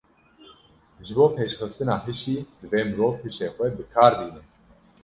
Ji bo pêşxistina hişî, divê mirov hişê xwe bi kar bîne.